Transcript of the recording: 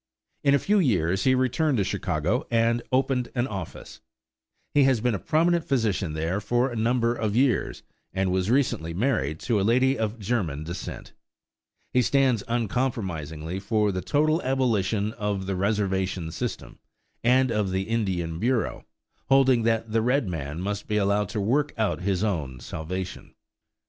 In a few years he returned to Chicago and opened an office. He has been a prominent physician there for a number of years, and was recently married to a lady of German descent. He stands uncompromisingly for the total abolition of the reservation system and of the Indian Bureau, holding that the red man must be allowed to work out his own salvation.